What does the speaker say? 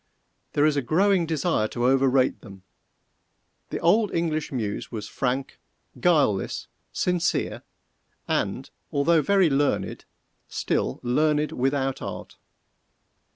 _There is a growing desire to overrate them. The old English muse was frank, guileless, sincere, and although very learned, still learned without art.